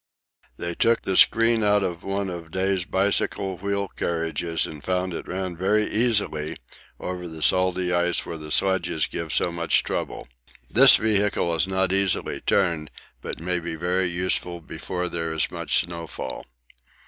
They took the screen out on one of Day's bicycle wheel carriages and found it ran very easily over the salty ice where the sledges give so much trouble. This vehicle is not easily turned, but may be very useful before there is much snowfall.